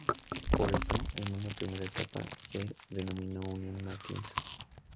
Por eso, en una primera etapa, se denominó Unión Matienzo.